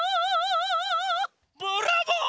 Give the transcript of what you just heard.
ブラボー！